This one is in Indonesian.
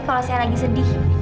kalau saya lagi sedih